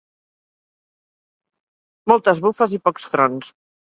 Moltes bufes i pocs trons.